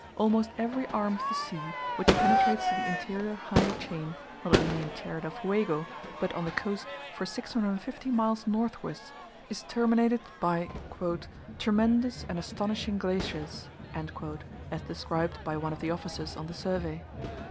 Almost every arm of the sea, which penetrates to the interior higher chain, not only in Tierra del Fuego, but on the coast for 650 miles northwards, is terminated by "tremendous and astonishing glaciers," as described by one of the officers on the survey.